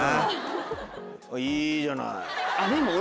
いいじゃない。